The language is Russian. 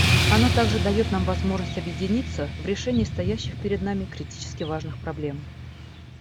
Оно также дает нам возможность объединиться в решении стоящих перед нами критически важных проблем.